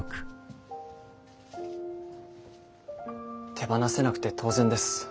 手放せなくて当然です。